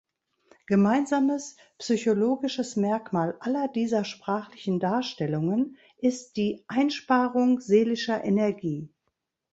Gemeinsames psychologisches Merkmal aller dieser sprachlichen Darstellungen ist die "Einsparung seelischer Energie".